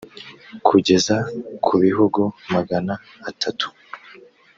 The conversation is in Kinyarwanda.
kugeza ku bihumbi magana atatu